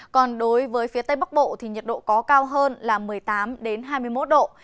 còn đối với phía tây bắc bộ thì nhiệt độ có cao hơn là một mươi tám hai mươi một độ